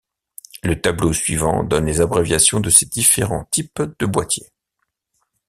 Le tableau suivant donne les abréviations de ces différents types de boîtier.